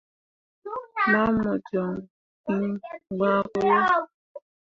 Ma mu joŋ iŋ gbaako yo.